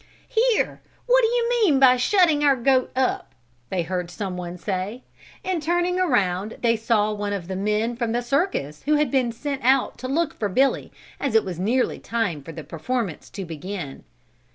"Here! what do you mean by shutting our goat up?" they heard someone say and turning around they saw one of the men from the circus who had been sent out to look for Billy as it was nearly time for the performance to begin.